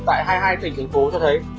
tại hai mươi hai tỉnh thành phố cho thấy